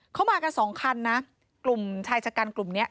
เขามากันสองคันนะกลุ่มชายชะกันกลุ่มนี้